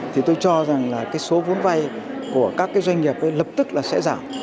thì tôi cho rằng là số vốn vay của các doanh nghiệp lập tức sẽ giảm